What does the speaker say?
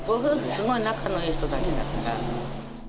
すごい仲のいい人たちだから。